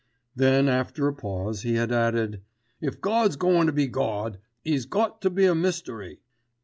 Then after a pause he had added, "If Gawd's goin' to be Gawd 'E's got to be a mystery.